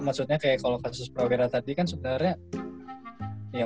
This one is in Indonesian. maksudnya kayak kalau kasus prawira tadi kan sebenarnya